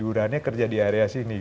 sambil tidurannya kerja di area sini gitu